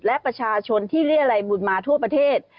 และประชาชนที่เรียรัยบุญมาทั่วประเทศ